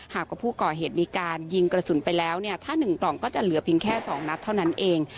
หากว่าผู้ก่อเหตุมีการยิงกระสุนไปแล้วเนี่ยถ้า๑กล่องก็จะเหลือเพียงแค่๒นัดเท่านั้นเอง